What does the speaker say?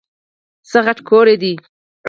څه غټ کور دی ؟!